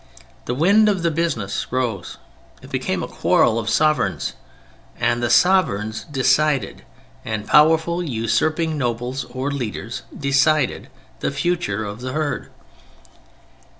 The wind of the business rose; it became a quarrel of sovereigns. And the sovereigns decided, and powerful usurping nobles or leaders decided, the future of the herd.